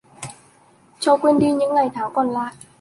Cho quên đi những tháng ngày còn lại